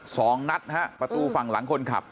สองนัดนะฮะประตูฝั่งหลังคนขับ